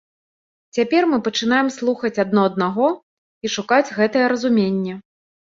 Цяпер мы пачынаем слухаць адно аднаго і шукаць гэтае разуменне.